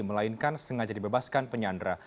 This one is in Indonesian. melainkan sengaja dibebaskan penyandra